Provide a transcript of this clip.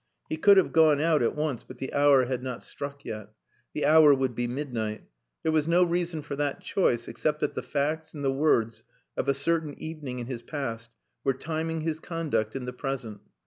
He could have gone out at once, but the hour had not struck yet. The hour would be midnight. There was no reason for that choice except that the facts and the words of a certain evening in his past were timing his conduct in the present.